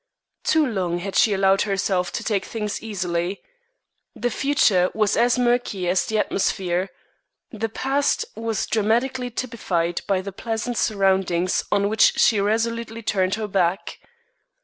Too long had she allowed herself to take things easily. The future was as murky as the atmosphere; the past was dramatically typified by the pleasant surroundings on which she resolutely turned her back.